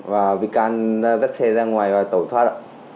và vị can dắt xe ra ngoài và tổ thoát